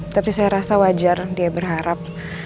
tapi saya rasa wajar dia berharap